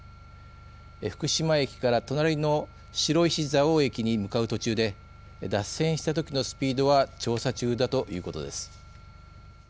福島駅から隣の白石蔵王駅に向かう途中で脱線したときのスピードは調査中だということです。